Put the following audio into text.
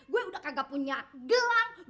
gue udah kagak punya gelang